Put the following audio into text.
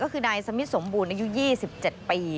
ก็คือนายสมิทสมบูรณ์อายุ๒๗ปี